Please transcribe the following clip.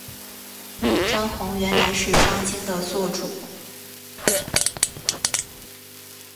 张宏原来是张鲸的座主。